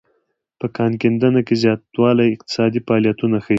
په کان کیندنه کې زیاتوالی اقتصادي فعالیتونه ښيي